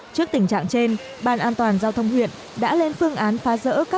trước tình trạng trên ban an toàn giao thông huyện đã lên phương án phá rỡ các công trình nhà dân